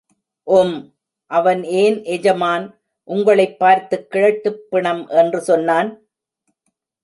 உம்...... அவன் ஏன் ஏஜமான், உங்களைப் பார்த்துக் கிழட்டுப் பிணம்னு சொன்னான்?